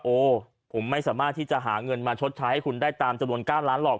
โอ้ผมไม่สามารถที่จะหาเงินมาชดใช้ให้คุณได้ตามจำนวน๙ล้านหรอก